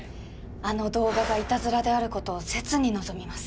あの動画がいたずらであることを切に望みます。